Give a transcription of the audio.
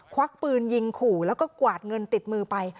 ควักปืนยิงขู่แล้วก็กวาดเงินติดมือไป